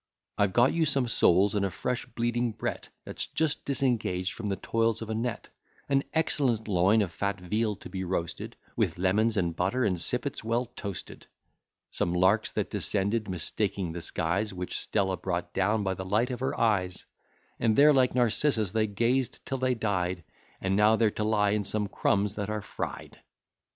I've got you some soles, and a fresh bleeding bret, That's just disengaged from the toils of a net: An excellent loin of fat veal to be roasted, With lemons, and butter, and sippets well toasted: Some larks that descended, mistaking the skies, Which Stella brought down by the light of her eyes; And there, like Narcissus, they gazed till they died, And now they're to lie in some crumbs that are fried.